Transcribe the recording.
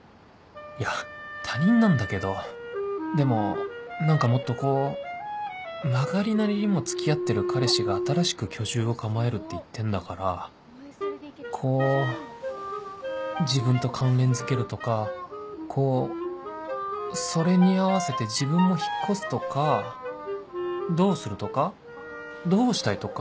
いや他人なんだけどでも何かもっとこう曲がりなりにも付き合ってる彼氏が新しく居住を構えるって言ってんだからこう自分と関連付けるとかこうそれに合わせて自分も引っ越すとかどうするとかどうしたいとか